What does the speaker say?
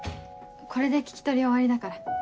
これで聞き取り終わりだから。